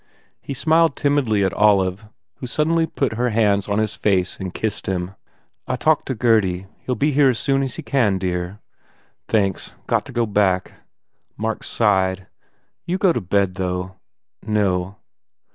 He smiled timidly at Olive who suddenly put her hands on his face and kissed him. "I talked to Gurdy. He ll be here as soon as he can, dear." "Thanks. Got to go back." Mark sighed, u You go to bed, though." "No."